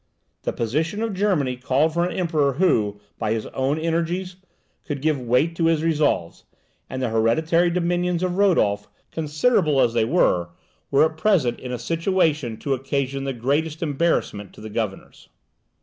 The position of Germany called for an emperor who, by his known energies, could give weight to his resolves; and the hereditary dominions of Rodolph, considerable as they were, were at present in a situation to occasion the greatest embarrassment to the governors.